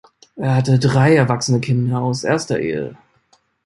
Er hat drei erwachsene Kinder aus erster Ehe.